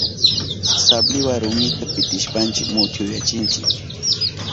Sabliwa rumita pitishpanchi mutyuyachinchi.